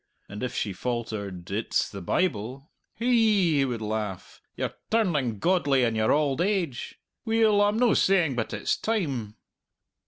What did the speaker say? and if she faltered, "It's the Bible," "Hi!" he would laugh, "you're turning godly in your auld age. Weel, I'm no saying but it's time."